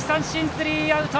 スリーアウト！